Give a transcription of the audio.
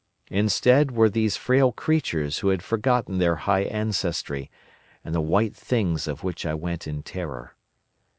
Instead were these frail creatures who had forgotten their high ancestry, and the white Things of which I went in terror.